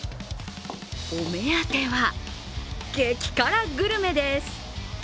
お目当ては激辛グルメです。